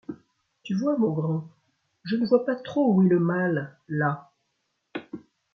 Tu vois, mon grand, je vois pas trop où est le mal, là. ..